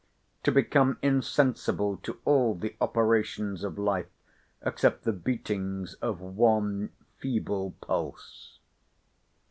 To become insensible to all the operations of life, except the beatings of one feeble pulse?